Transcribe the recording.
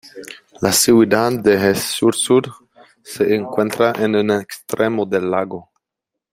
La ciudad de Esch-sur-Sûre se encuentra en un extremo del lago.